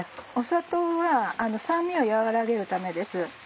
砂糖は酸味を和らげるためです。